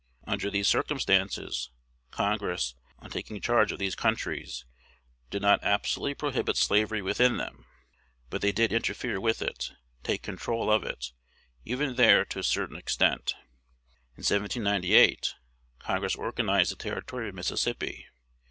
Under these circumstances, Congress, on taking charge of these countries, did not absolutely prohibit slavery within them. But they did interfere with it, take control of it, even there, to a certain extent. In 1798, Congress organized the Territory of Mississippi.